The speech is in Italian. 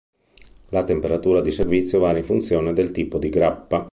La temperatura di servizio varia in funzione del tipo di grappa.